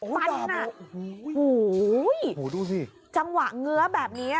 อ๋อดาบอ๋อหูยหูยดูสิจังหวะเงื้อแบบเนี้ย